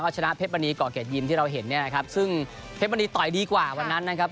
ก็ชนะเพศปณีกรเขตยิมที่เราเห็นซึ่งเพศปณีต่อยดีกว่าวันนั้นนะครับ